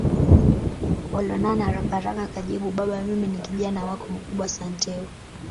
Olonana harakaharaka akajibu Baba mimi ni Kijana wako mkubwa Santeu